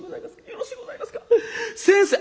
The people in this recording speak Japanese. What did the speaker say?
よろしいございますか。先生」。